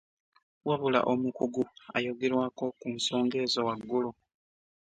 Wabula omukugu ayogerwako ku nsonga ezo waggulu